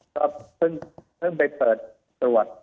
เครื่องไปเปิดตรวจ